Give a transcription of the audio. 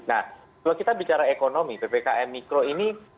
nah kalau kita bicara ekonomi ppkm mikro ini